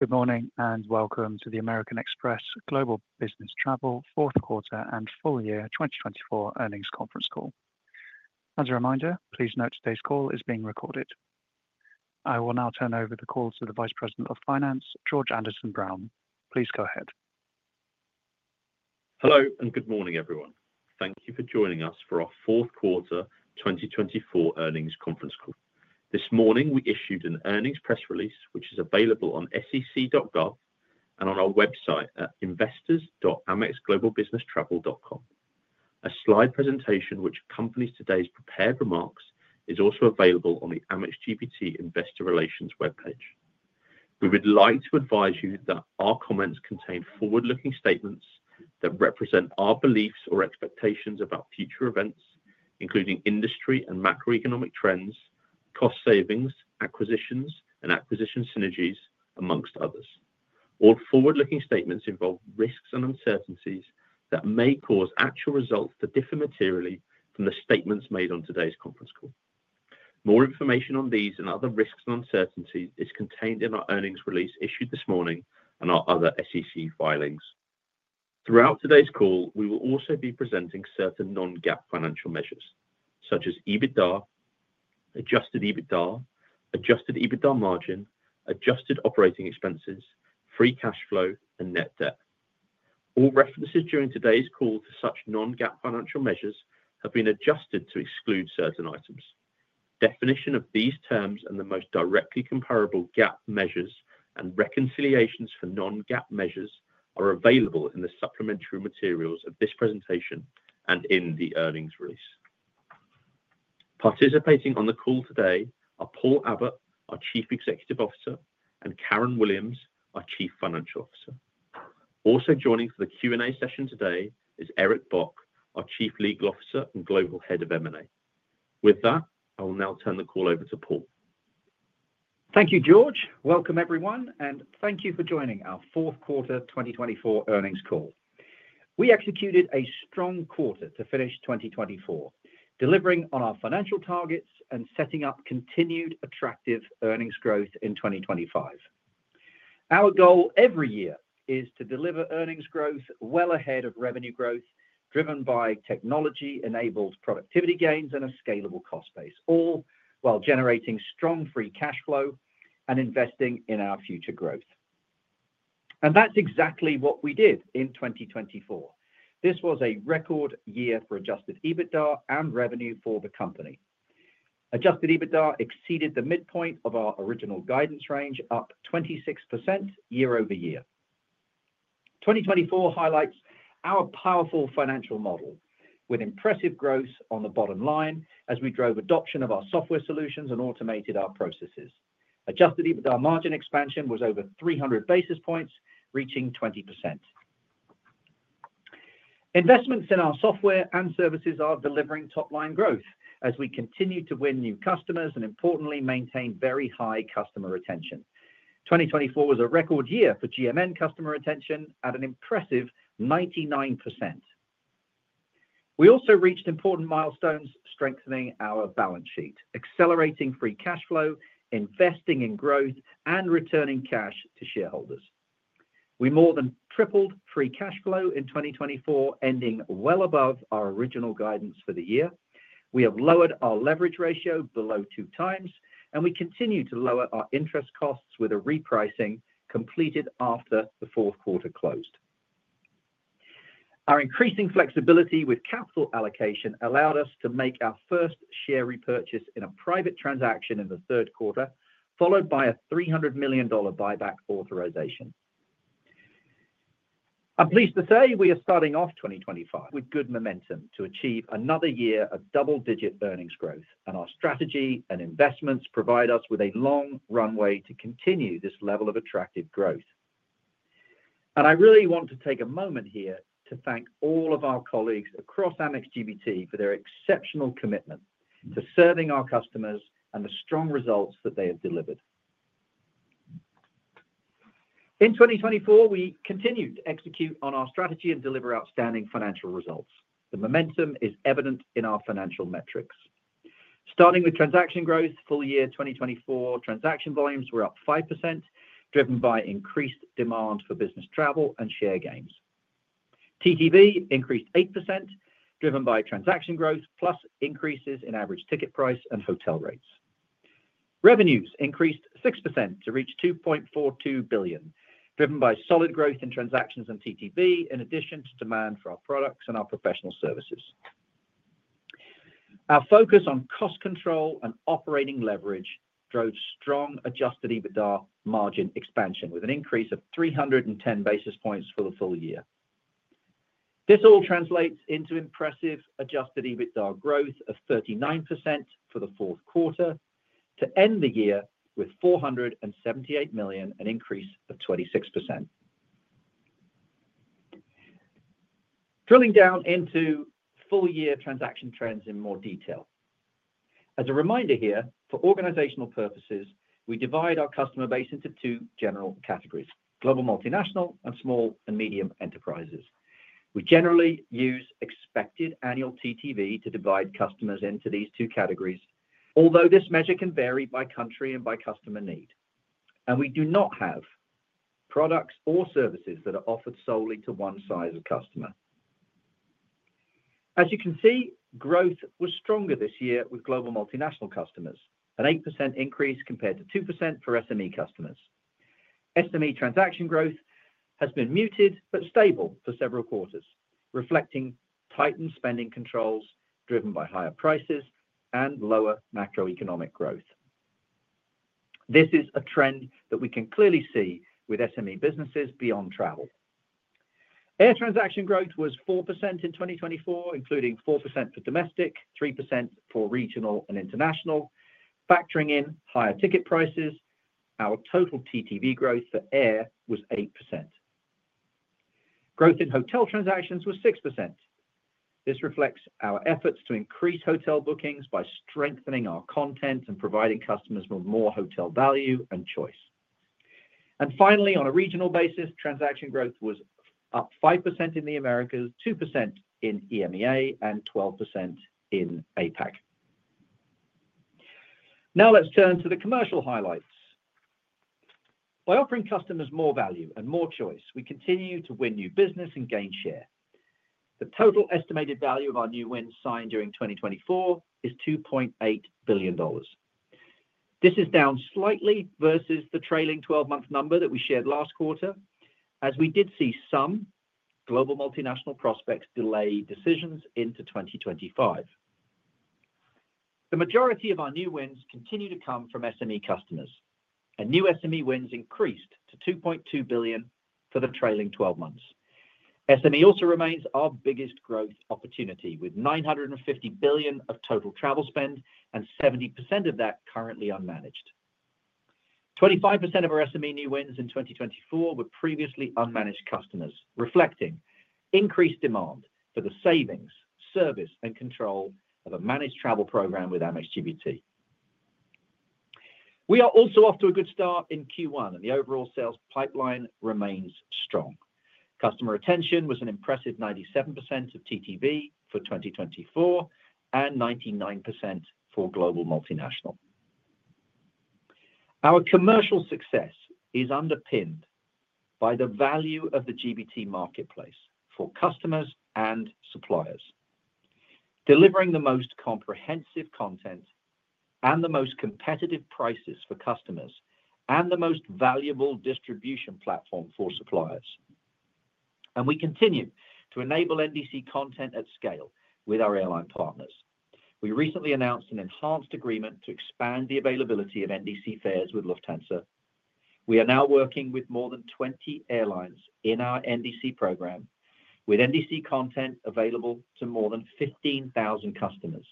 Good morning and welcome to the American Express Global Business Travel Fourth Quarter and Full Year 2024 Earnings Conference Call. As a reminder, please note today's call is being recorded. I will now turn over the call to the Vice President of Finance, George Anderson-Brown. Please go ahead. Hello and good morning, everyone. Thank you for joining us for our Fourth Quarter 2024 Earnings Conference Call. This morning, we issued an earnings press release, which is available on sec.gov and on our website at investors.amexglobalbusinesstravel.com. A slide presentation, which accompanies today's prepared remarks, is also available on the Amex GBT Investor Relations webpage. We would like to advise you that our comments contain forward-looking statements that represent our beliefs or expectations about future events, including industry and macroeconomic trends, cost savings, acquisitions, and acquisition synergies, amongst others. All forward-looking statements involve risks and uncertainties that may cause actual results to differ materially from the statements made on today's conference call. More information on these and other risks and uncertainties is contained in our earnings release issued this morning and our other SEC filings. Throughout today's call, we will also be presenting certain non-GAAP financial measures, such as EBITDA, adjusted EBITDA, adjusted EBITDA margin, adjusted operating expenses, free cash flow, and net debt. All references during today's call to such non-GAAP financial measures have been adjusted to exclude certain items. Definition of these terms and the most directly comparable GAAP measures and reconciliations for non-GAAP measures are available in the supplementary materials of this presentation and in the earnings release. Participating on the call today are Paul Abbott, our Chief Executive Officer, and Karen Williams, our Chief Financial Officer. Also joining for the Q&A session today is Eric Bock, our Chief Legal Officer and Global Head of M&A. With that, I will now turn the call over to Paul. Thank you, George. Welcome, everyone, and thank you for joining our Fourth Quarter 2024 earnings call. We executed a strong quarter to finish 2024, delivering on our financial targets and setting up continued attractive earnings growth in 2025. Our goal every year is to deliver earnings growth well ahead of revenue growth, driven by technology-enabled productivity gains and a scalable cost base, all while generating strong Free Cash Flow and investing in our future growth. And that's exactly what we did in 2024. This was a record year for Adjusted EBITDA and revenue for the company. Adjusted EBITDA exceeded the midpoint of our original guidance range, up 26% year-over-year. 2024 highlights our powerful financial model with impressive growth on the bottom line as we drove adoption of our software solutions and automated our processes. Adjusted EBITDA margin expansion was over 300 basis points, reaching 20%. Investments in our software and services are delivering top-line growth as we continue to win new customers and, importantly, maintain very high customer retention. 2024 was a record year for GMN customer retention at an impressive 99%. We also reached important milestones strengthening our balance sheet, accelerating free cash flow, investing in growth, and returning cash to shareholders. We more than tripled free cash flow in 2024, ending well above our original guidance for the year. We have lowered our leverage ratio below two times, and we continue to lower our interest costs with a repricing completed after the fourth quarter closed. Our increasing flexibility with capital allocation allowed us to make our first share repurchase in a private transaction in the third quarter, followed by a $300 million buyback authorization. I'm pleased to say we are starting off 2025 with good momentum to achieve another year of double-digit earnings growth, and our strategy and investments provide us with a long runway to continue this level of attractive growth, and I really want to take a moment here to thank all of our colleagues across Amex GBT for their exceptional commitment to serving our customers and the strong results that they have delivered. In 2024, we continued to execute on our strategy and deliver outstanding financial results. The momentum is evident in our financial metrics. Starting with transaction growth, full year 2024 transaction volumes were up 5%, driven by increased demand for business travel and share gains. TTV increased 8%, driven by transaction growth, plus increases in average ticket price and hotel rates. Revenues increased 6% to reach $2.42 billion, driven by solid growth in transactions and TTV, in addition to demand for our products and our professional services. Our focus on cost control and operating leverage drove strong Adjusted EBITDA margin expansion with an increase of 310 basis points for the full year. This all translates into impressive Adjusted EBITDA growth of 39% for the fourth quarter to end the year with $478 million and an increase of 26%. Drilling down into full year transaction trends in more detail. As a reminder here, for organizational purposes, we divide our customer base into two general categories: Global Multinational and small and medium enterprises. We generally use expected annual TTV to divide customers into these two categories, although this measure can vary by country and by customer need. And we do not have products or services that are offered solely to one size of customer. As you can see, growth was stronger this year with Global Multinational customers, an 8% increase compared to 2% for SME customers. SME transaction growth has been muted but stable for several quarters, reflecting tightened spending controls driven by higher prices and lower macroeconomic growth. This is a trend that we can clearly see with SME businesses beyond travel. Air transaction growth was 4% in 2024, including 4% for domestic, 3% for regional and international, factoring in higher ticket prices. Our total TTV growth for air was 8%. Growth in hotel transactions was 6%. This reflects our efforts to increase hotel bookings by strengthening our content and providing customers with more hotel value and choice. Finally, on a regional basis, transaction growth was up 5% in the Americas, 2% in EMEA, and 12% in APAC. Now let's turn to the commercial highlights. By offering customers more value and more choice, we continue to win new business and gain share. The total estimated value of our new wins signed during 2024 is $2.8 billion. This is down slightly versus the trailing 12-month number that we shared last quarter, as we did see some global multinational prospects delay decisions into 2025. The majority of our new wins continue to come from SME customers, and new SME wins increased to $2.2 billion for the trailing 12 months. SME also remains our biggest growth opportunity, with $950 billion of total travel spend and 70% of that currently unmanaged. 25% of our SME new wins in 2024 were previously unmanaged customers, reflecting increased demand for the savings, service, and control of a managed travel program with Amex GBT. We are also off to a good start in Q1, and the overall sales pipeline remains strong. Customer retention was an impressive 97% of TTV for 2024 and 99% for global multinational. Our commercial success is underpinned by the value of the GBT marketplace for customers and suppliers, delivering the most comprehensive content and the most competitive prices for customers and the most valuable distribution platform for suppliers. And we continue to enable NDC content at scale with our airline partners. We recently announced an enhanced agreement to expand the availability of NDC fares with Lufthansa. We are now working with more than 20 airlines in our NDC program, with NDC content available to more than 15,000 customers,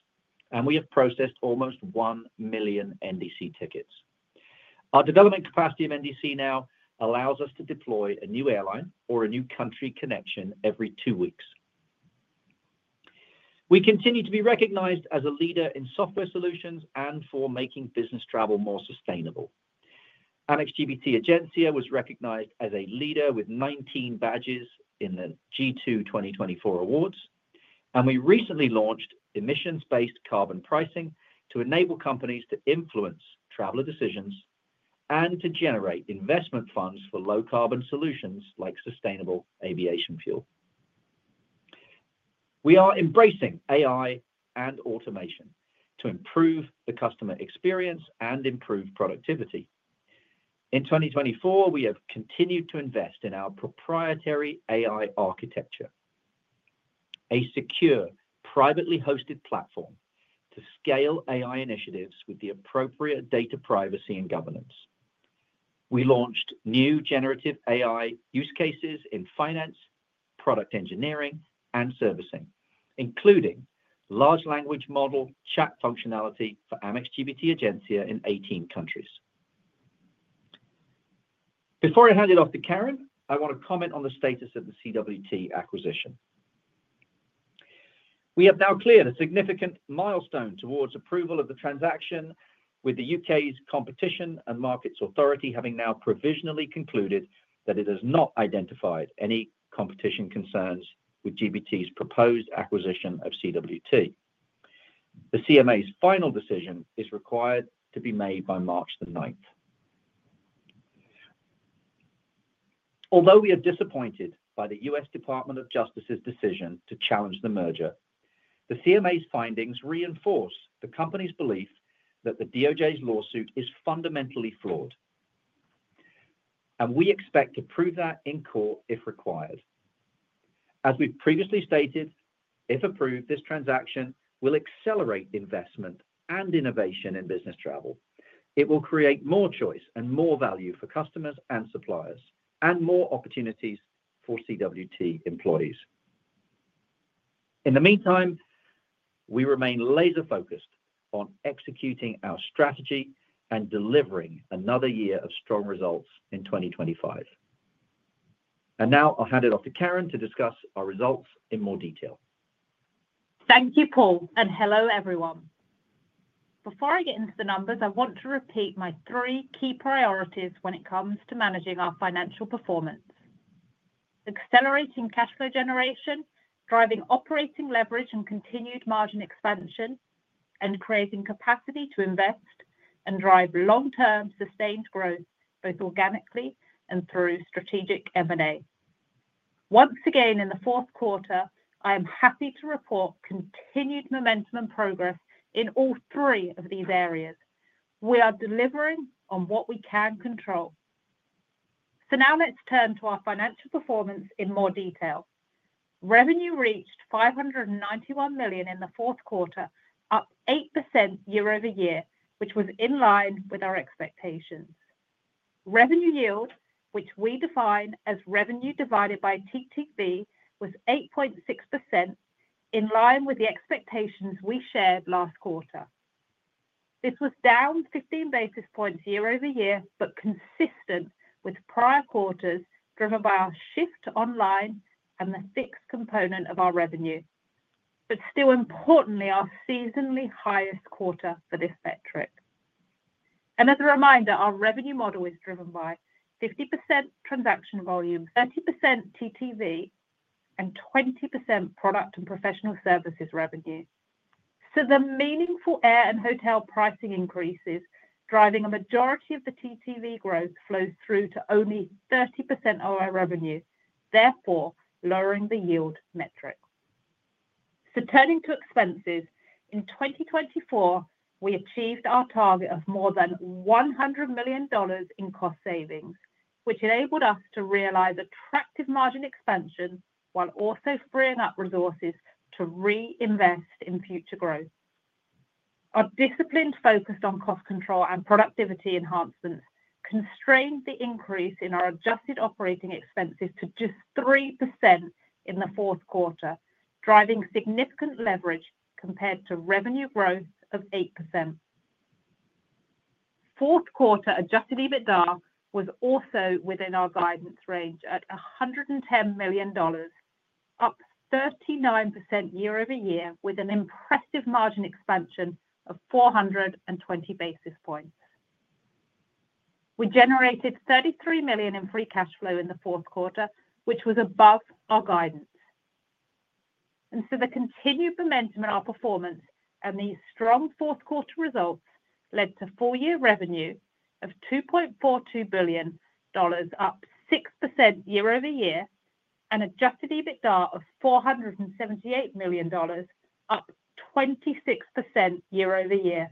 and we have processed almost one million NDC tickets. Our development capacity of NDC now allows us to deploy a new airline or a new country connection every two weeks. We continue to be recognized as a leader in software solutions and for making business travel more sustainable. Amex GBT Egencia was recognized as a leader with 19 badges in the G2 2024 awards, and we recently launched emissions-based carbon pricing to enable companies to influence traveler decisions and to generate investment funds for low-carbon solutions like sustainable aviation fuel. We are embracing AI and automation to improve the customer experience and improve productivity. In 2024, we have continued to invest in our proprietary AI architecture, a secure, privately hosted platform to scale AI initiatives with the appropriate data privacy and governance. We launched new generative AI use cases in finance, product engineering, and servicing, including large language model chat functionality for Amex GBT Egencia in 18 countries. Before I hand it off to Karen, I want to comment on the status of the CWT acquisition. We have now cleared a significant milestone towards approval of the transaction, with the U.K.'s Competition and Markets Authority having now provisionally concluded that it has not identified any competition concerns with GBT's proposed acquisition of CWT. The CMA's final decision is required to be made by March 9. Although we are disappointed by the US Department of Justice's decision to challenge the merger, the CMA's findings reinforce the company's belief that the DOJ's lawsuit is fundamentally flawed, and we expect to prove that in court if required. As we've previously stated, if approved, this transaction will accelerate investment and innovation in business travel. It will create more choice and more value for customers and suppliers, and more opportunities for CWT employees. In the meantime, we remain laser-focused on executing our strategy and delivering another year of strong results in 2025, and now I'll hand it off to Karen to discuss our results in more detail. Thank you, Paul, and hello, everyone. Before I get into the numbers, I want to repeat my three key priorities when it comes to managing our financial performance: accelerating cash flow generation, driving operating leverage and continued margin expansion, and creating capacity to invest and drive long-term sustained growth, both organically and through strategic M&A. Once again, in the fourth quarter, I am happy to report continued momentum and progress in all three of these areas. We are delivering on what we can control. So now let's turn to our financial performance in more detail. Revenue reached $591 million in the fourth quarter, up 8% year-over-year, which was in line with our expectations. Revenue yield, which we define as revenue divided by TTV, was 8.6%, in line with the expectations we shared last quarter. This was down 15 basis points year-over-year, but consistent with prior quarters, driven by our shift online and the fixed component of our revenue, but still, importantly, our seasonally highest quarter for this metric. And as a reminder, our revenue model is driven by 50% transaction volume, 30% TTV, and 20% product and professional services revenue. So the meaningful air and hotel pricing increases, driving a majority of the TTV growth, flow through to only 30% of our revenue, therefore lowering the yield metric. So turning to expenses, in 2024, we achieved our target of more than $100 million in cost savings, which enabled us to realize attractive margin expansion while also freeing up resources to reinvest in future growth. Our disciplined focus on cost control and productivity enhancements constrained the increase in our adjusted operating expenses to just 3% in the fourth quarter, driving significant leverage compared to revenue growth of 8%. Fourth quarter adjusted EBITDA was also within our guidance range at $110 million, up 39% year-over-year, with an impressive margin expansion of 420 basis points. We generated $33 million in free cash flow in the fourth quarter, which was above our guidance, and so the continued momentum in our performance and these strong fourth quarter results led to full year revenue of $2.42 billion, up 6% year-over-year, and adjusted EBITDA of $478 million, up 26% year-over-year.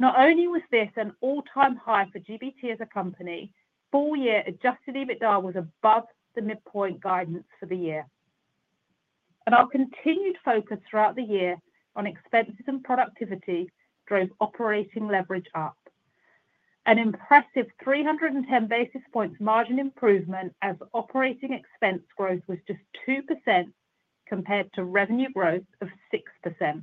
Not only was this an all-time high for GBT as a company. Full year adjusted EBITDA was above the midpoint guidance for the year. Our continued focus throughout the year on expenses and productivity drove operating leverage up. An impressive 310 basis points margin improvement as operating expense growth was just 2% compared to revenue growth of 6%.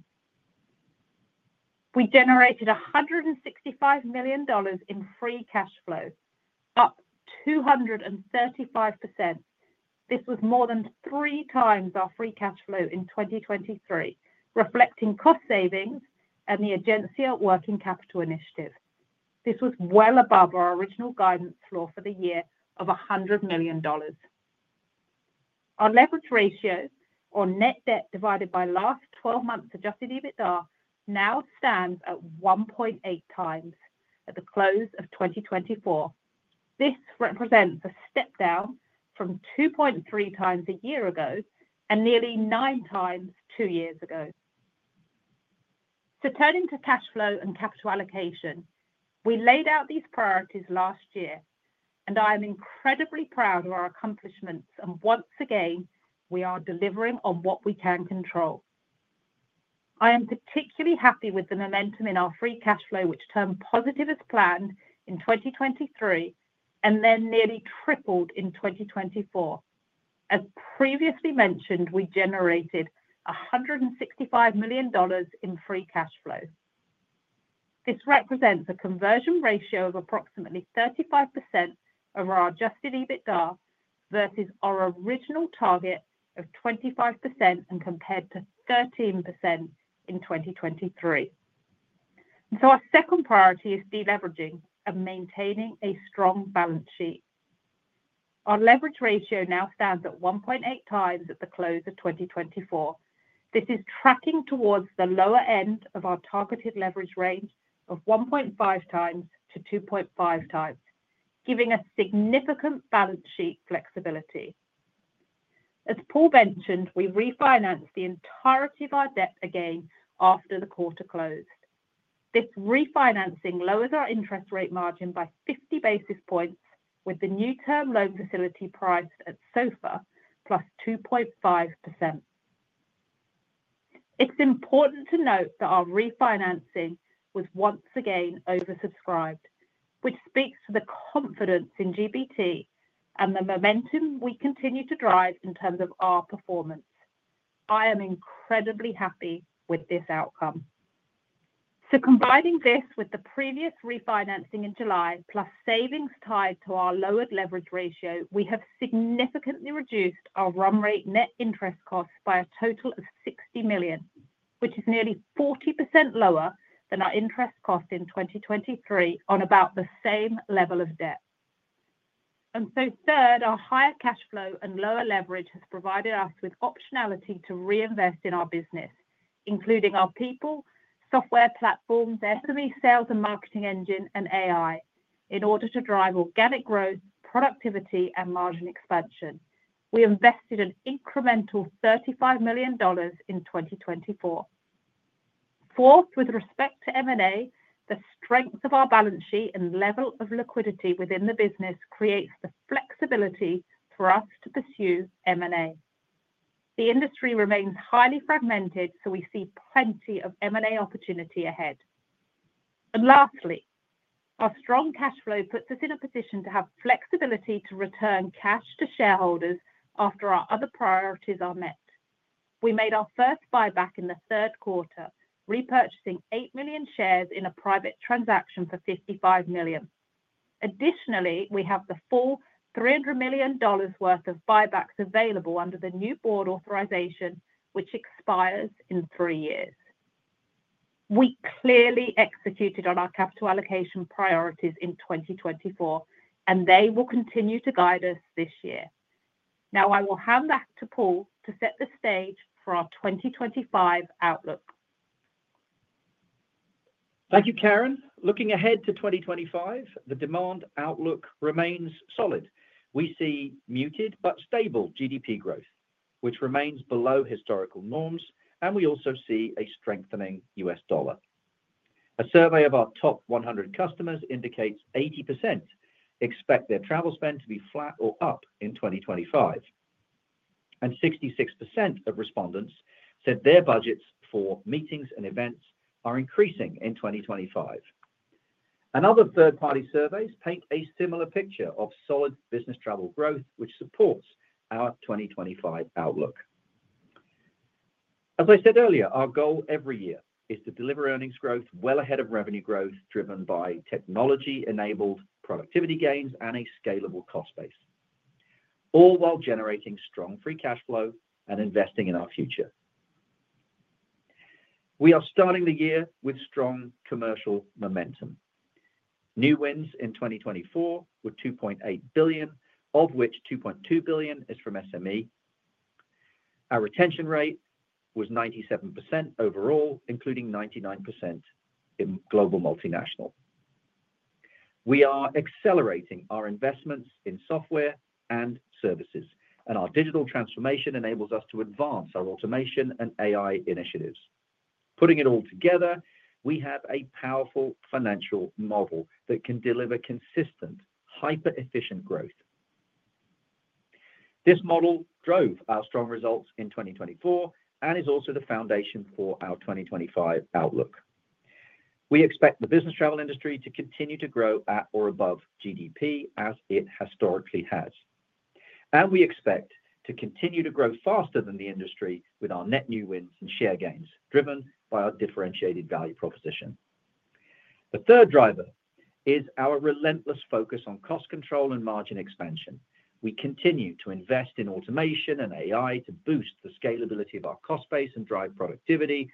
We generated $165 million in Free Cash Flow, up 235%. This was more than three times our Free Cash Flow in 2023, reflecting cost savings and the Egencia Working Capital Initiative. This was well above our original guidance floor for the year of $100 million. Our leverage ratio on net debt divided by last 12 months Adjusted EBITDA now stands at 1.8 times at the close of 2024. This represents a step down from 2.3 times a year ago and nearly nine times two years ago. Turning to cash flow and capital allocation, we laid out these priorities last year, and I am incredibly proud of our accomplishments. Once again, we are delivering on what we can control. I am particularly happy with the momentum in our free cash flow, which turned positive as planned in 2023 and then nearly tripled in 2024. As previously mentioned, we generated $165 million in free cash flow. This represents a conversion ratio of approximately 35% of our Adjusted EBITDA versus our original target of 25% and compared to 13% in 2023. Our second priority is deleveraging and maintaining a strong balance sheet. Our leverage ratio now stands at 1.8 times at the close of 2024. This is tracking towards the lower end of our targeted leverage range of 1.5 times to 2.5 times, giving us significant balance sheet flexibility. As Paul mentioned, we refinanced the entirety of our debt again after the quarter closed. This refinancing lowers our interest rate margin by 50 basis points, with the new term loan facility priced at SOFR plus 2.5%. It's important to note that our refinancing was once again oversubscribed, which speaks to the confidence in GBT and the momentum we continue to drive in terms of our performance. I am incredibly happy with this outcome, so combining this with the previous refinancing in July plus savings tied to our lowered leverage ratio, we have significantly reduced our run rate net interest costs by a total of $60 million, which is nearly 40% lower than our interest cost in 2023 on about the same level of debt. And so third, our higher cash flow and lower leverage has provided us with optionality to reinvest in our business, including our people, software platforms, SME sales and marketing engine, and AI, in order to drive organic growth, productivity, and margin expansion. We invested an incremental $35 million in 2024. Fourth, with respect to M&A, the strength of our balance sheet and level of liquidity within the business creates the flexibility for us to pursue M&A. The industry remains highly fragmented, so we see plenty of M&A opportunity ahead. And lastly, our strong cash flow puts us in a position to have flexibility to return cash to shareholders after our other priorities are met. We made our first buyback in the third quarter, repurchasing 8 million shares in a private transaction for $55 million. Additionally, we have the full $300 million worth of buybacks available under the new board authorization, which expires in three years. We clearly executed on our capital allocation priorities in 2024, and they will continue to guide us this year. Now I will hand back to Paul to set the stage for our 2025 outlook. Thank you, Karen. Looking ahead to 2025, the demand outlook remains solid. We see muted but stable GDP growth, which remains below historical norms, and we also see a strengthening US dollar. A survey of our top 100 customers indicates 80% expect their travel spend to be flat or up in 2025, and 66% of respondents said their budgets for meetings and events are increasing in 2025. Another third-party survey paints a similar picture of solid business travel growth, which supports our 2025 outlook. As I said earlier, our goal every year is to deliver earnings growth well ahead of revenue growth driven by technology-enabled productivity gains and a scalable cost base, all while generating strong free cash flow and investing in our future. We are starting the year with strong commercial momentum. New wins in 2024 were $2.8 billion, of which $2.2 billion is from SME. Our retention rate was 97% overall, including 99% in global multinationals. We are accelerating our investments in software and services, and our digital transformation enables us to advance our automation and AI initiatives. Putting it all together, we have a powerful financial model that can deliver consistent, hyper-efficient growth. This model drove our strong results in 2024 and is also the foundation for our 2025 outlook. We expect the business travel industry to continue to grow at or above GDP, as it historically has, and we expect to continue to grow faster than the industry with our net new wins and share gains driven by our differentiated value proposition. The third driver is our relentless focus on cost control and margin expansion. We continue to invest in automation and AI to boost the scalability of our cost base and drive productivity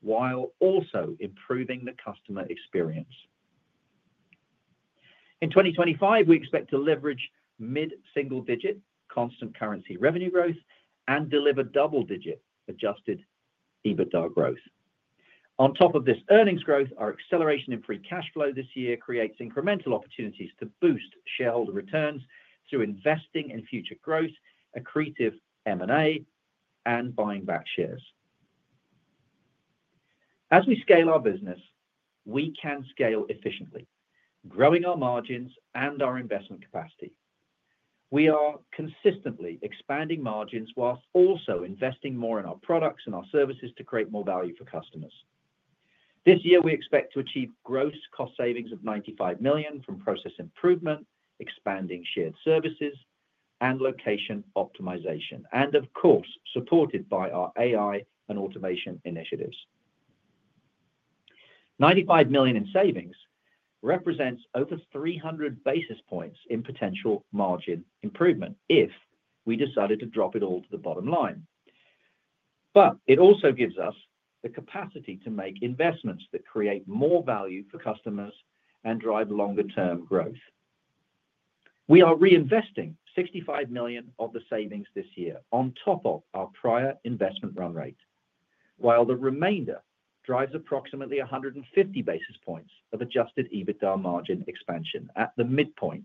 while also improving the customer experience. In 2025, we expect to leverage mid-single-digit constant currency revenue growth and deliver double-digit adjusted EBITDA growth. On top of this earnings growth, our acceleration in free cash flow this year creates incremental opportunities to boost shareholder returns through investing in future growth, accretive M&A, and buying back shares. As we scale our business, we can scale efficiently, growing our margins and our investment capacity. We are consistently expanding margins while also investing more in our products and our services to create more value for customers. This year, we expect to achieve gross cost savings of $95 million from process improvement, expanding shared services, and location optimization, and of course, supported by our AI and automation initiatives. $95 million in savings represents over 300 basis points in potential margin improvement if we decided to drop it all to the bottom line. But it also gives us the capacity to make investments that create more value for customers and drive longer-term growth. We are reinvesting $65 million of the savings this year on top of our prior investment run rate, while the remainder drives approximately 150 basis points of Adjusted EBITDA margin expansion at the midpoint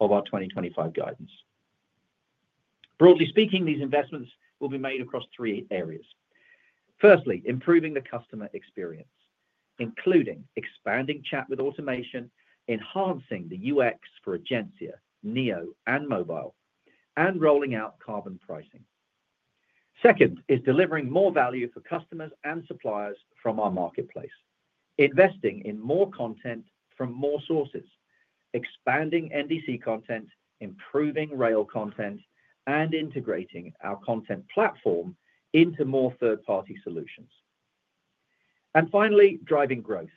of our 2025 guidance. Broadly speaking, these investments will be made across three areas. Firstly, improving the customer experience, including expanding chat with automation, enhancing the UX for Egencia, Neo, and mobile, and rolling out carbon pricing. Second is delivering more value for customers and suppliers from our marketplace, investing in more content from more sources, expanding NDC content, improving rail content, and integrating our content platform into more third-party solutions. And finally, driving growth,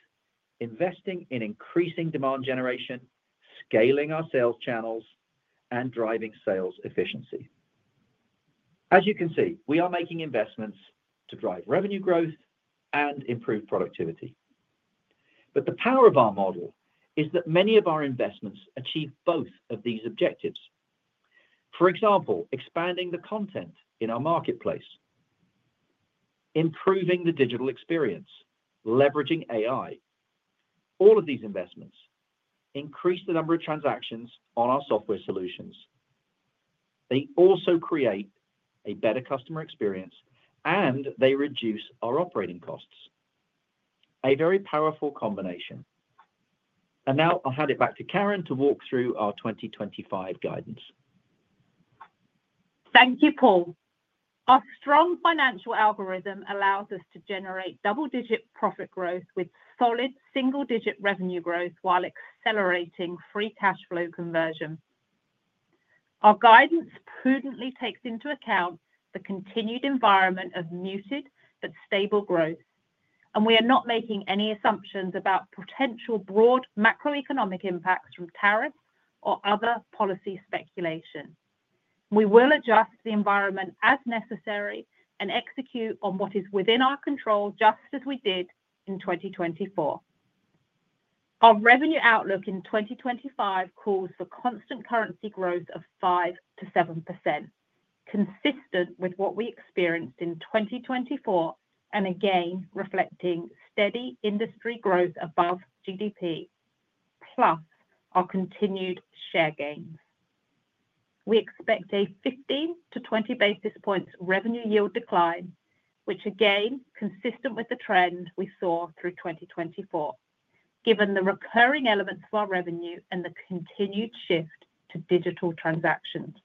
investing in increasing demand generation, scaling our sales channels, and driving sales efficiency. As you can see, we are making investments to drive revenue growth and improve productivity, but the power of our model is that many of our investments achieve both of these objectives, for example, expanding the content in our marketplace, improving the digital experience, leveraging AI, all of these investments increase the number of transactions on our software solutions. They also create a better customer experience, and they reduce our operating costs. A very powerful combination, and now I'll hand it back to Karen to walk through our 2025 guidance. Thank you, Paul. Our strong financial algorithm allows us to generate double-digit profit growth with solid single-digit revenue growth while accelerating free cash flow conversion. Our guidance prudently takes into account the continued environment of muted but stable growth, and we are not making any assumptions about potential broad macroeconomic impacts from tariffs or other policy speculation. We will adjust the environment as necessary and execute on what is within our control just as we did in 2024. Our revenue outlook in 2025 calls for constant currency growth of 5%-7%, consistent with what we experienced in 2024 and again reflecting steady industry growth above GDP, plus our continued share gains. We expect a 15-20 basis points revenue yield decline, which again is consistent with the trend we saw through 2024, given the recurring elements for our revenue and the continued shift to digital transactions.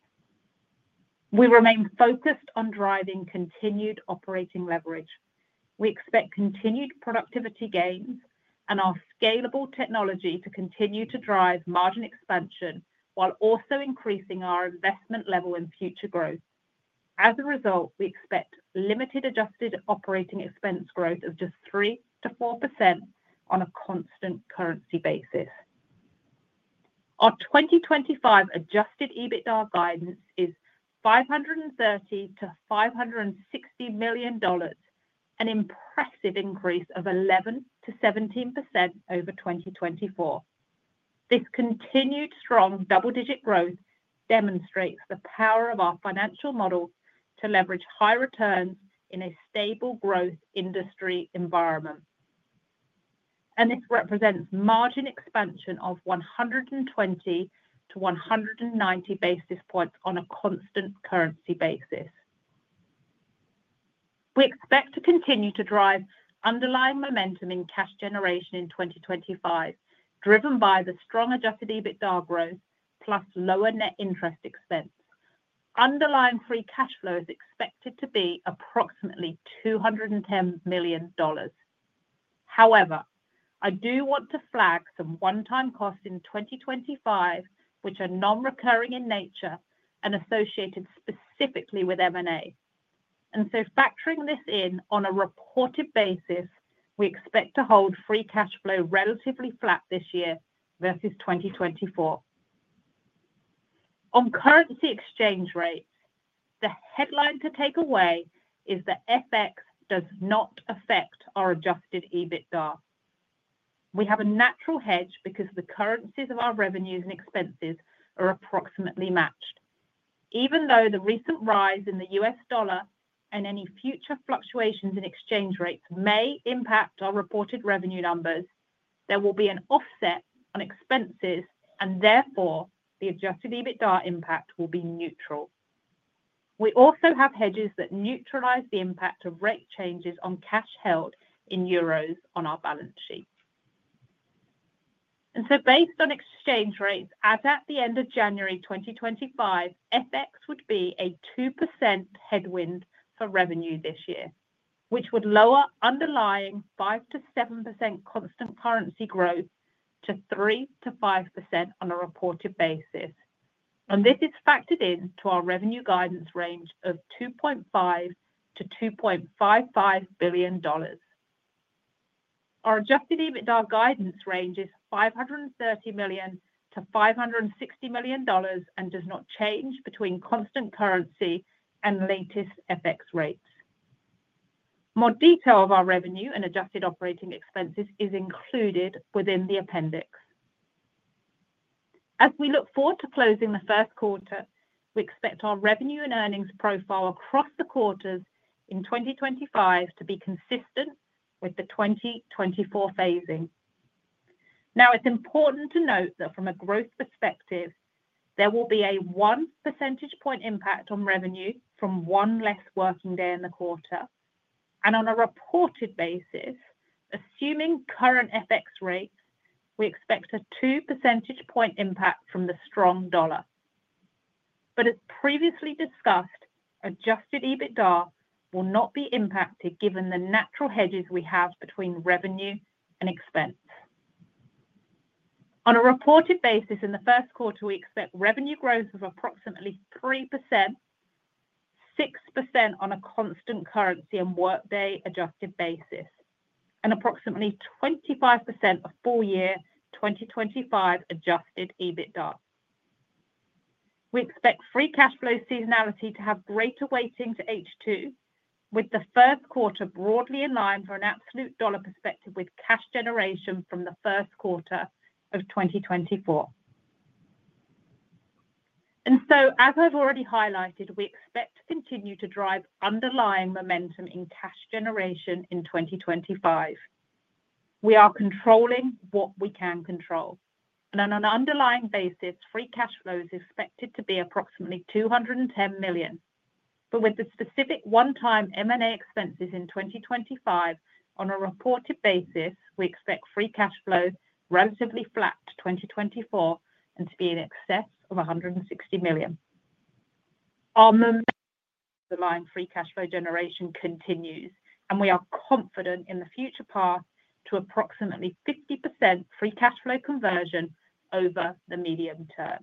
We remain focused on driving continued operating leverage. We expect continued productivity gains and our scalable technology to continue to drive margin expansion while also increasing our investment level in future growth. As a result, we expect limited adjusted operating expense growth of just 3%-4% on a constant currency basis. Our 2025 Adjusted EBITDA guidance is $530-$560 million, an impressive increase of 11%-17% over 2024. This continued strong double-digit growth demonstrates the power of our financial model to leverage high returns in a stable growth industry environment. And this represents margin expansion of 120-190 basis points on a constant currency basis. We expect to continue to drive underlying momentum in cash generation in 2025, driven by the strong Adjusted EBITDA growth plus lower net interest expense. Underlying free cash flow is expected to be approximately $210 million. However, I do want to flag some one-time costs in 2025, which are non-recurring in nature and associated specifically with M&A. And so factoring this in on a reported basis, we expect to hold Free Cash Flow relatively flat this year versus 2024. On currency exchange rates, the headline to take away is that FX does not affect our Adjusted EBITDA. We have a natural hedge because the currencies of our revenues and expenses are approximately matched. Even though the recent rise in the US dollar and any future fluctuations in exchange rates may impact our reported revenue numbers, there will be an offset on expenses, and therefore the Adjusted EBITDA impact will be neutral. We also have hedges that neutralize the impact of rate changes on cash held in euros on our balance sheet. Based on exchange rates, as at the end of January 2025, FX would be a 2% headwind for revenue this year, which would lower underlying 5%-7% constant currency growth to 3%-5% on a reported basis. This is factored into our revenue guidance range of $2.5-$2.55 billion. Our Adjusted EBITDA guidance range is $530-$560 million and does not change between constant currency and latest FX rates. More detail of our revenue and adjusted operating expenses is included within the appendix. As we look forward to closing the first quarter, we expect our revenue and earnings profile across the quarters in 2025 to be consistent with the 2024 phasing. Now, it is important to note that from a growth perspective, there will be a one percentage point impact on revenue from one less working day in the quarter. On a reported basis, assuming current FX rates, we expect a 2 percentage point impact from the strong dollar. But as previously discussed, Adjusted EBITDA will not be impacted given the natural hedges we have between revenue and expense. On a reported basis, in the first quarter, we expect revenue growth of approximately 3%, 6% on a constant currency and workday adjusted basis, and approximately 25% of full year 2025 Adjusted EBITDA. We expect free cash flow seasonality to have greater weighting to H2, with the first quarter broadly in line for an absolute dollar perspective with cash generation from the first quarter of 2024. So, as I've already highlighted, we expect to continue to drive underlying momentum in cash generation in 2025. We are controlling what we can control. On an underlying basis, Free Cash Flow is expected to be approximately $210 million. But with the specific one-time M&A expenses in 2025, on a reported basis, we expect free cash flow relatively flat to 2024 and to be in excess of $160 million. Our momentum underlying free cash flow generation continues, and we are confident in the future path to approximately 50% free cash flow conversion over the medium term.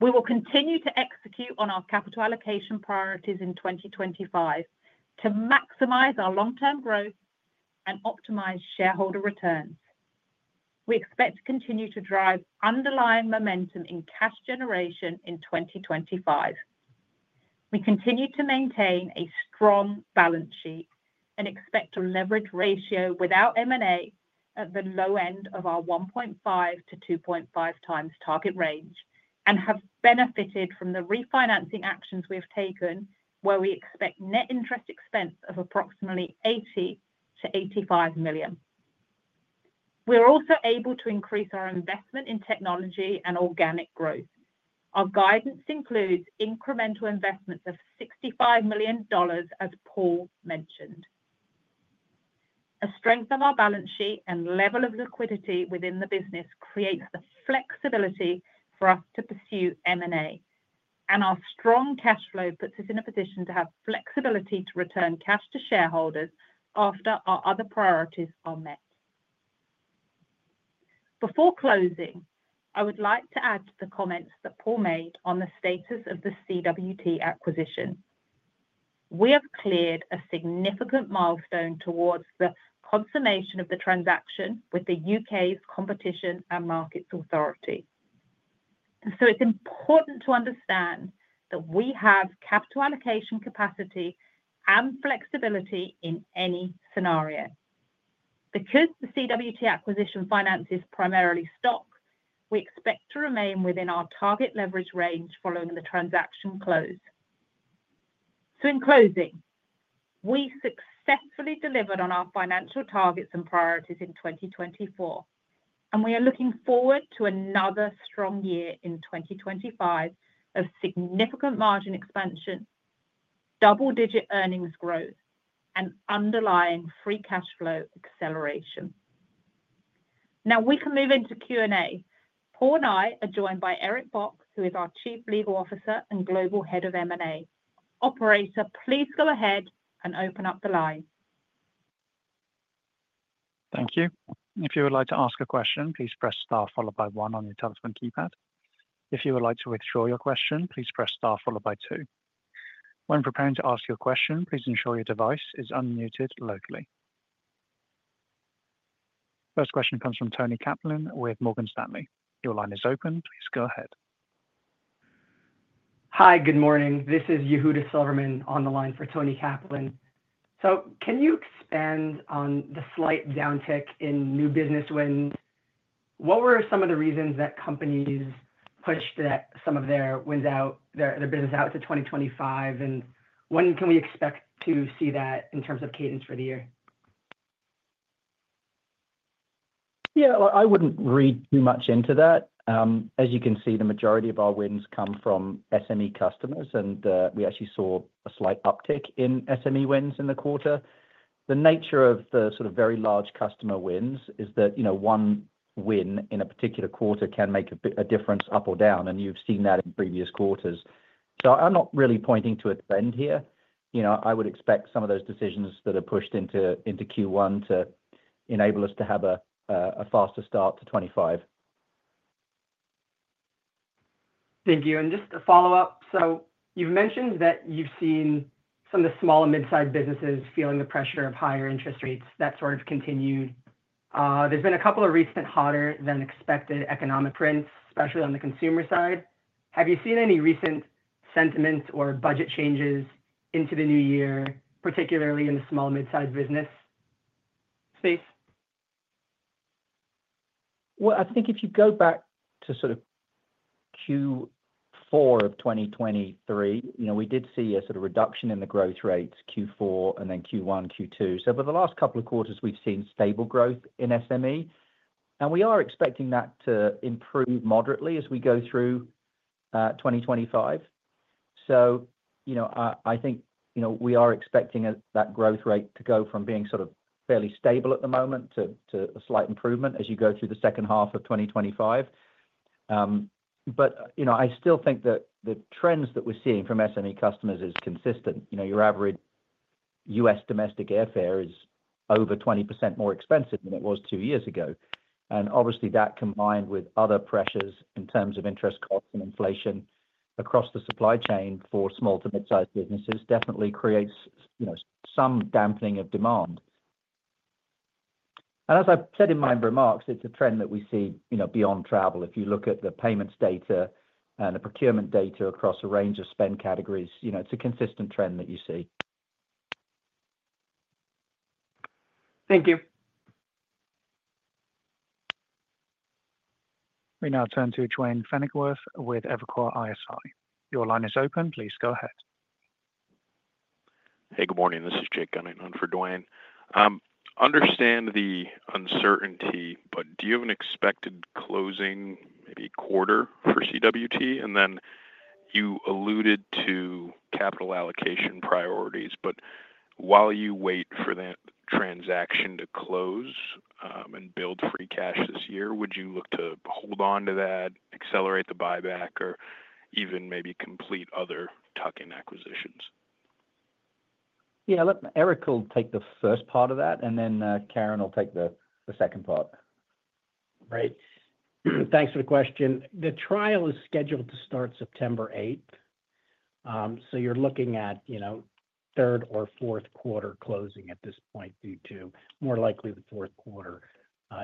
We will continue to execute on our capital allocation priorities in 2025 to maximize our long-term growth and optimize shareholder returns. We expect to continue to drive underlying momentum in cash generation in 2025. We continue to maintain a strong balance sheet and expect a leverage ratio without M&A at the low end of our 1.5-2.5 times target range and have benefited from the refinancing actions we have taken, where we expect net interest expense of approximately $80-$85 million. We are also able to increase our investment in technology and organic growth. Our guidance includes incremental investments of $65 million, as Paul mentioned. A strength of our balance sheet and level of liquidity within the business creates the flexibility for us to pursue M&A, and our strong cash flow puts us in a position to have flexibility to return cash to shareholders after our other priorities are met. Before closing, I would like to add to the comments that Paul made on the status of the CWT acquisition. We have cleared a significant milestone towards the consummation of the transaction with the U.K.'s Competition and Markets Authority, and so it's important to understand that we have capital allocation capacity and flexibility in any scenario. Because the CWT acquisition finances primarily stock, we expect to remain within our target leverage range following the transaction close. So in closing, we successfully delivered on our financial targets and priorities in 2024, and we are looking forward to another strong year in 2025 of significant margin expansion, double-digit earnings growth, and underlying free cash flow acceleration. Now we can move into Q&A. Paul and I are joined by Eric Bock, who is our Chief Legal Officer and Global Head of M&A. Operator, please go ahead and open up the line. Thank you. If you would like to ask a question, please press Star followed by 1 on your telephone keypad. If you would like to withdraw your question, please press Star followed by 2. When preparing to ask your question, please ensure your device is unmuted locally. First question comes from Toni Kaplan with Morgan Stanley. Your line is open. Please go ahead. Hi, good morning. This is Yehuda Silverman on the line for Toni Kaplan, so can you expand on the slight downtick in new business wins? What were some of the reasons that companies pushed some of their wins out, their business out to 2025? And when can we expect to see that in terms of cadence for the year? Yeah, I wouldn't read too much into that. As you can see, the majority of our wins come from SME customers, and we actually saw a slight uptick in SME wins in the quarter. The nature of the sort of very large customer wins is that one win in a particular quarter can make a difference up or down, and you've seen that in previous quarters. So I'm not really pointing to a trend here. I would expect some of those decisions that are pushed into Q1 to enable us to have a faster start to 2025. Thank you. And just to follow up, so you've mentioned that you've seen some of the small and mid-sized businesses feeling the pressure of higher interest rates that sort of continued. There's been a couple of recent hotter-than-expected economic prints, especially on the consumer side. Have you seen any recent sentiment or budget changes into the new year, particularly in the small and mid-sized business space? I think if you go back to sort of Q4 of 2023, we did see a sort of reduction in the growth rates Q4 and then Q1, Q2. For the last couple of quarters, we've seen stable growth in SME, and we are expecting that to improve moderately as we go through 2025. I think we are expecting that growth rate to go from being sort of fairly stable at the moment to a slight improvement as you go through the second half of 2025. I still think that the trends that we're seeing from SME customers is consistent. Your average US domestic airfare is over 20% more expensive than it was two years ago. And obviously, that combined with other pressures in terms of interest costs and inflation across the supply chain for small to mid-sized businesses definitely creates some dampening of demand. And as I said in my remarks, it's a trend that we see beyond travel. If you look at the payments data and the procurement data across a range of spend categories, it's a consistent trend that you see. Thank you. We now turn to Duane Pfennigwerth with Evercore ISI. Your line is open. Please go ahead. Hey, good morning. This is Jake Gunning for Duane. Understand the uncertainty, but do you have an expected closing, maybe quarter for CWT? And then you alluded to capital allocation priorities, but while you wait for that transaction to close and build free cash this year, would you look to hold on to that, accelerate the buyback, or even maybe complete other tuck-in acquisitions? Yeah, look, Eric will take the first part of that, and then Karen will take the second part. Great. Thanks for the question. The trial is scheduled to start September 8th. So you're looking at third or fourth quarter closing at this point, due to more likely the fourth quarter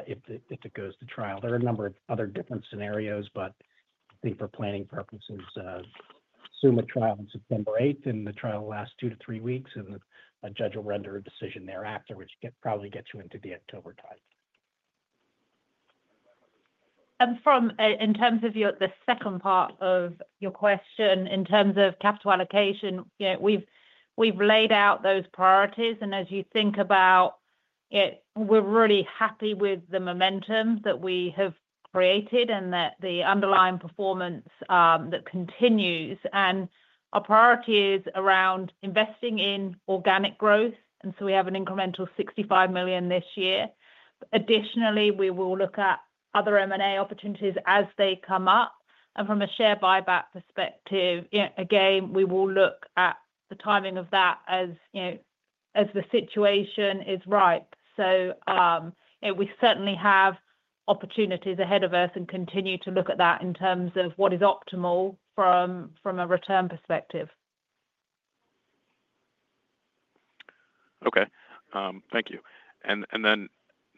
if it goes to trial. There are a number of other different scenarios, but I think for planning purposes, assume a trial on September 8th, and the trial will last two to three weeks, and a judge will render a decision thereafter, which probably gets you into the October time. And in terms of the second part of your question, in terms of capital allocation, we've laid out those priorities, and as you think about it, we're really happy with the momentum that we have created and that the underlying performance that continues. And our priority is around investing in organic growth, and so we have an incremental $65 million this year. Additionally, we will look at other M&A opportunities as they come up. And from a share buyback perspective, again, we will look at the timing of that as the situation is ripe. So we certainly have opportunities ahead of us and continue to look at that in terms of what is optimal from a return perspective. Okay. Thank you. And then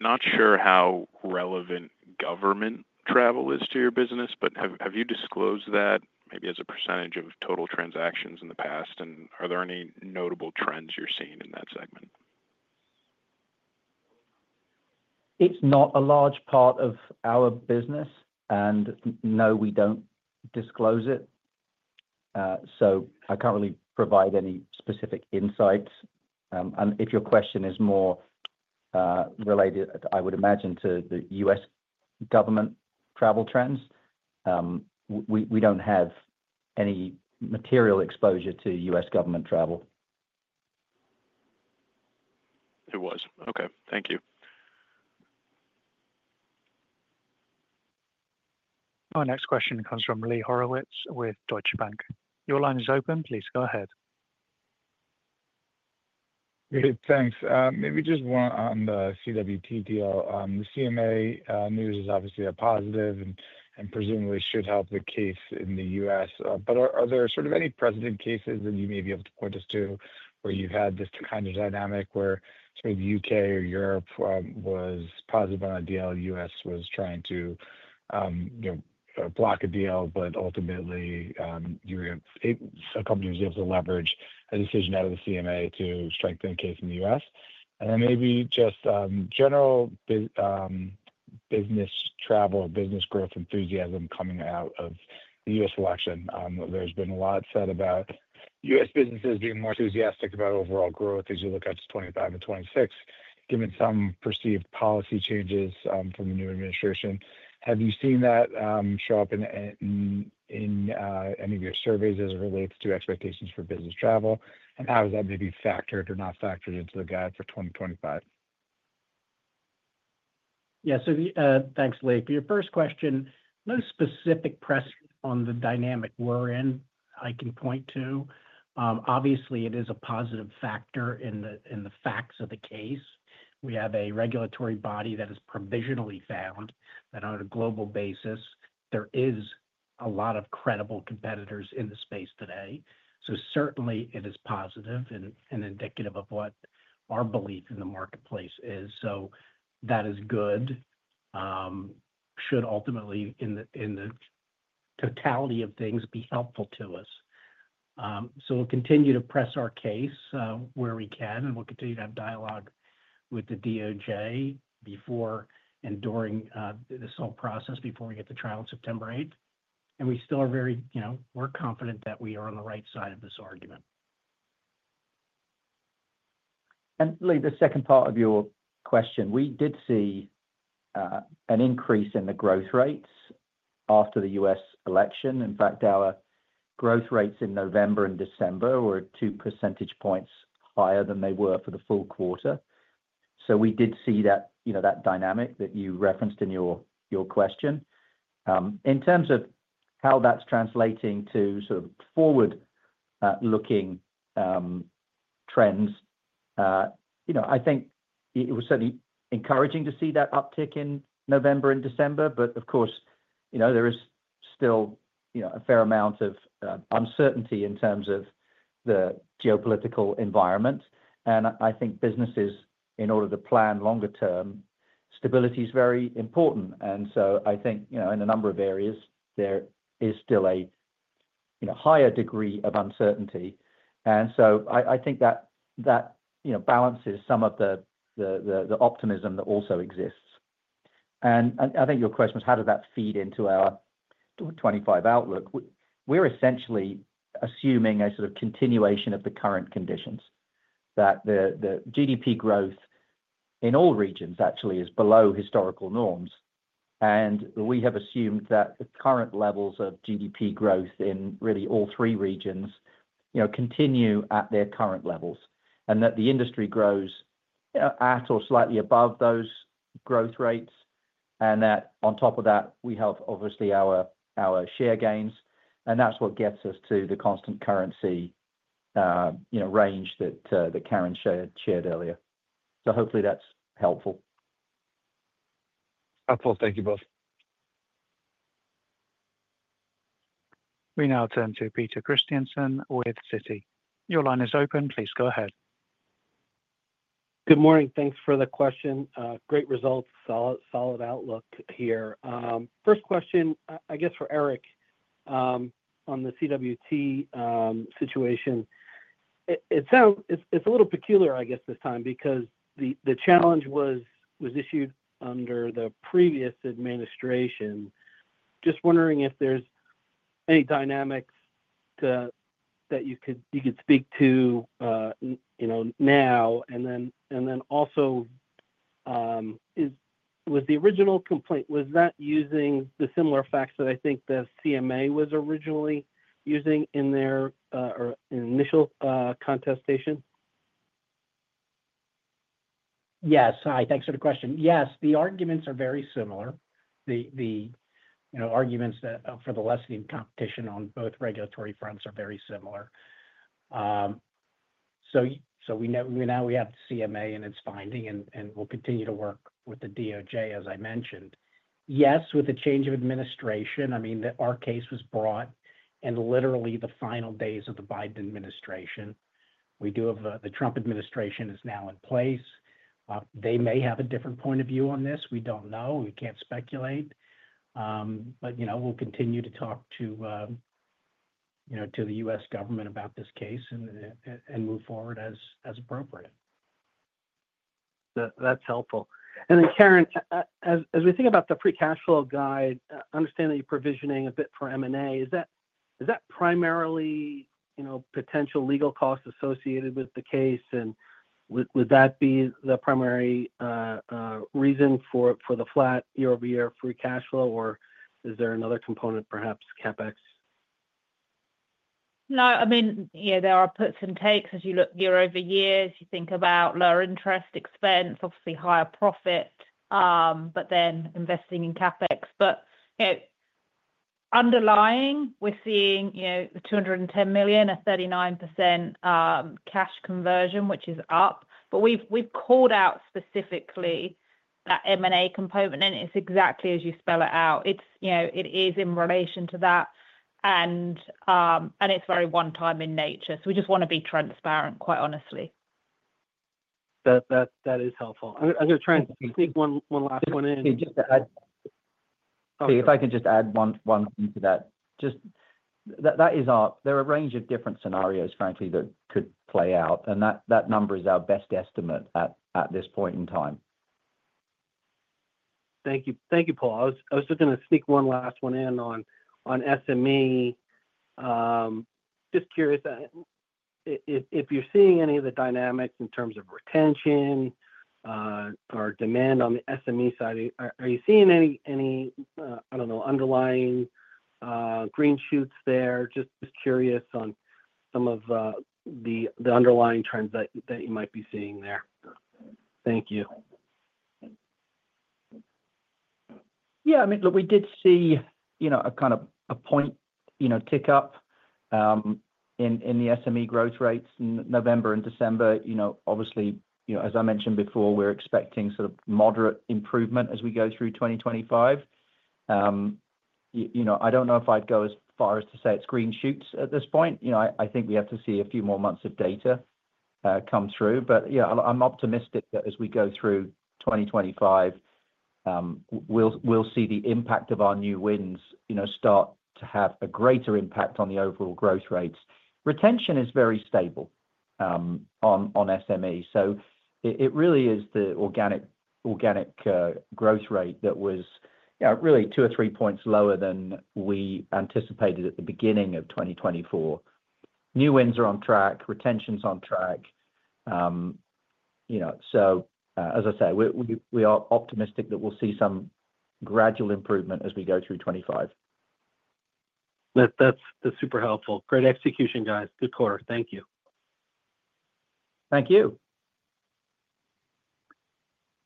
not sure how relevant government travel is to your business, but have you disclosed that maybe as a percentage of total transactions in the past, and are there any notable trends you're seeing in that segment? It's not a large part of our business, and no, we don't disclose it, so I can't really provide any specific insights, and if your question is more related, I would imagine, to the US government travel trends, we don't have any material exposure to US government travel. It was. Okay. Thank you. Our next question comes from Lee Horowitz with Deutsche Bank. Your line is open. Please go ahead. Great. Thanks. Maybe just one on the CWT deal. The CMA news is obviously a positive and presumably should help the case in the U.S. But are there sort of any precedent cases that you may be able to point us to where you've had this kind of dynamic where sort of the U.K. or Europe was positive on a deal, U.S. was trying to block a deal, but ultimately a company was able to leverage a decision out of the CMA to strengthen a case in the U.S.? And then maybe just general business travel or business growth enthusiasm coming out of the U.S. election. There's been a lot said about U.S. businesses being more enthusiastic about overall growth as you look at 2025 and 2026, given some perceived policy changes from the new administration. Have you seen that show up in any of your surveys as it relates to expectations for business travel, and how has that maybe factored or not factored into the guide for 2025? Yeah. So thanks, Lee. Your first question: no specific pressure on the dynamic we're in I can point to. Obviously, it is a positive factor in the facts of the case. We have a regulatory body that is provisionally found that on a global basis, there is a lot of credible competitors in the space today. So certainly, it is positive and indicative of what our belief in the marketplace is. So that is good, should ultimately, in the totality of things, be helpful to us. So we'll continue to press our case where we can, and we'll continue to have dialogue with the DOJ before and during this whole process before we get the trial on September 8th, and we still are very confident that we are on the right side of this argument. Jake, the second part of your question, we did see an increase in the growth rates after the U.S. election. In fact, our growth rates in November and December were two percentage points higher than they were for the full quarter. So we did see that dynamic that you referenced in your question. In terms of how that's translating to sort of forward-looking trends, I think it was certainly encouraging to see that uptick in November and December, but of course, there is still a fair amount of uncertainty in terms of the geopolitical environment. And I think businesses, in order to plan longer-term, stability is very important. And so I think in a number of areas, there is still a higher degree of uncertainty. And so I think that balances some of the optimism that also exists. I think your question was, how does that feed into our 25 outlook? We're essentially assuming a sort of continuation of the current conditions, that the GDP growth in all regions actually is below historical norms. We have assumed that the current levels of GDP growth in really all three regions continue at their current levels, and that the industry grows at or slightly above those growth rates, and that on top of that, we have obviously our share gains. That's what gets us to the constant currency range that Karen shared earlier. Hopefully, that's helpful. Helpful. Thank you both. We now turn to Peter Christiansen with Citi. Your line is open. Please go ahead. Good morning. Thanks for the question. Great results, solid outlook here. First question, I guess for Eric on the CWT situation. It's a little peculiar, I guess, this time because the challenge was issued under the previous administration. Just wondering if there's any dynamics that you could speak to now, and then also, was the original complaint, was that using the similar facts that I think the CMA was originally using in their initial contestation? Yes. Hi, thanks for the question. Yes, the arguments are very similar. The arguments for the lessening competition on both regulatory fronts are very similar. So now we have the CMA and its finding, and we'll continue to work with the DOJ, as I mentioned. Yes, with the change of administration, I mean, our case was brought in literally the final days of the Biden administration. The Trump administration is now in place. They may have a different point of view on this. We don't know. We can't speculate. But we'll continue to talk to the U.S. government about this case and move forward as appropriate. That's helpful. And then, Karen, as we think about the free cash flow guide, I understand that you're provisioning a bit for M&A. Is that primarily potential legal costs associated with the case, and would that be the primary reason for the flat year-over-year free cash flow, or is there another component, perhaps CapEx? No, I mean, yeah, there are puts and takes. As you look year-over-year, you think about lower interest expense, obviously higher profit, but then investing in CapEx. But underlying, we're seeing $210 million, a 39% cash conversion, which is up. But we've called out specifically that M&A component, and it's exactly as you spell it out. It is in relation to that, and it's very one-time in nature. So we just want to be transparent, quite honestly. That is helpful. I'm going to try and sneak one last one in. See, if I could just add one thing to that. Just that, there are a range of different scenarios, frankly, that could play out, and that number is our best estimate at this point in time. Thank you. Thank you, Paul. I was just going to sneak one last one in on SME. Just curious, if you're seeing any of the dynamics in terms of retention or demand on the SME side, are you seeing any, I don't know, underlying green shoots there? Just curious on some of the underlying trends that you might be seeing there. Thank you. Yeah. I mean, look, we did see a kind of a point tick up in the SME growth rates in November and December. Obviously, as I mentioned before, we're expecting sort of moderate improvement as we go through 2025. I don't know if I'd go as far as to say it's green shoots at this point. I think we have to see a few more months of data come through. But yeah, I'm optimistic that as we go through 2025, we'll see the impact of our new wins start to have a greater impact on the overall growth rates. Retention is very stable on SME. So it really is the organic growth rate that was really two or three points lower than we anticipated at the beginning of 2024. New wins are on track, retention's on track. So as I say, we are optimistic that we'll see some gradual improvement as we go through 2025. That's super helpful. Great execution, guys. Good quarter. Thank you. Thank you.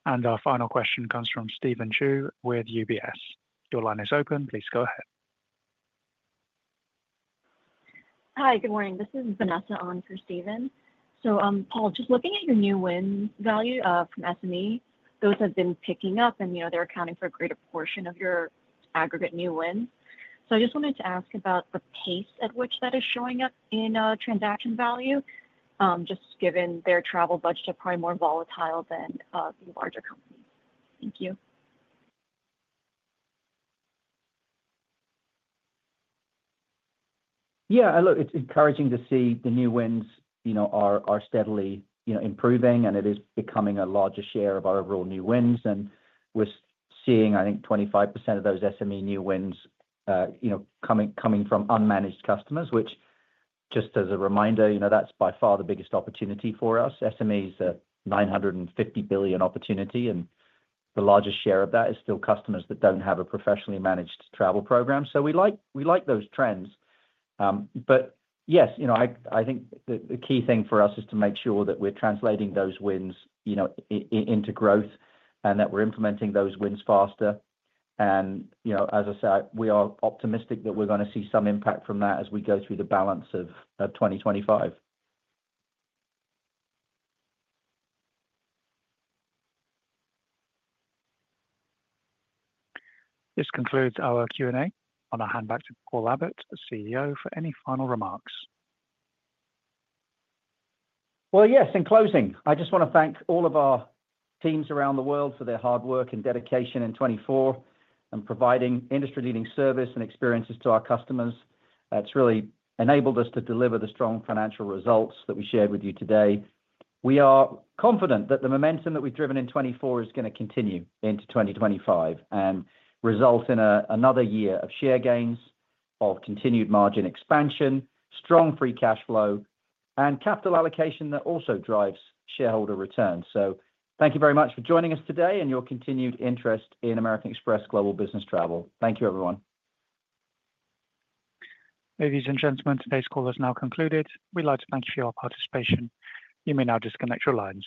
Our final question comes from Stephen Ju with UBS. Your line is open. Please go ahead. Hi, good morning. This is Vanessa on for Stephen. So Paul, just looking at your new wins value from SME, those have been picking up, and they're accounting for a greater portion of your aggregate new wins. So I just wanted to ask about the pace at which that is showing up in transaction value, just given their travel budget is probably more volatile than larger companies. Thank you. Yeah. Look, it's encouraging to see the new wins are steadily improving, and it is becoming a larger share of our overall new wins. And we're seeing, I think, 25% of those SME new wins coming from unmanaged customers, which, just as a reminder, that's by far the biggest opportunity for us. SME is a $950 billion opportunity, and the largest share of that is still customers that don't have a professionally managed travel program. So we like those trends. But yes, I think the key thing for us is to make sure that we're translating those wins into growth and that we're implementing those wins faster. And as I say, we are optimistic that we're going to see some impact from that as we go through the balance of 2025. This concludes our Q&A. I'll now hand back to Paul Abbott, CEO, for any final remarks. Well, yes, in closing, I just want to thank all of our teams around the world for their hard work and dedication in 2024 and providing industry-leading service and experiences to our customers. That's really enabled us to deliver the strong financial results that we shared with you today. We are confident that the momentum that we've driven in 2024 is going to continue into 2025 and result in another year of share gains, of continued margin expansion, strong free cash flow, and capital allocation that also drives shareholder returns. So thank you very much for joining us today and your continued interest in American Express Global Business Travel. Thank you, everyone. Ladies and gentlemen, today's call has now concluded. We'd like to thank you for your participation. You may now disconnect your lines.